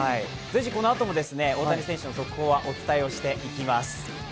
このあとも大谷選手の速報はお伝えしていきます。